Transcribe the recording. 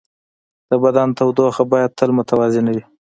د بدن تودوخه باید تل متوازنه وي.